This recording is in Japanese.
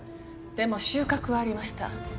でも収穫はありました。